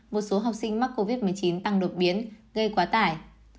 một số học sinh mắc covid một mươi chín tăng đột biến gây quá tải